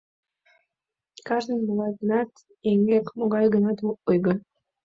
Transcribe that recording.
Кажнын могай-гынат эҥгек, могай-гынат ойго.